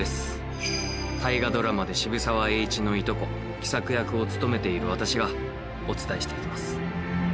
大河ドラマで渋沢栄一のいとこ喜作役を務めている私がお伝えしていきます。